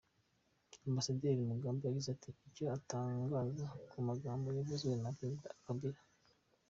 Ambasaderi Mugambage yagize icyo atangaza ku magambo yavuzwe na Perezida Kabila